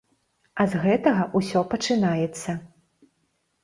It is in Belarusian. А з гэтага ўсё пачынаецца.